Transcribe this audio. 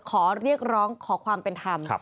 ขอเรียกร้องขอความเป็นธรรม